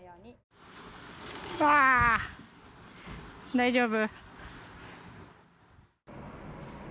大丈夫？